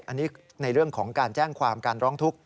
อันนี้ในเรื่องของการแจ้งความการร้องทุกข์